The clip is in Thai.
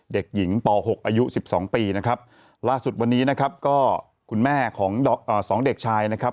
เด็กหญิงป๖อายุ๑๒ปีนะครับล่าสุดวันนี้นะครับก็คุณแม่ของสองเด็กชายนะครับ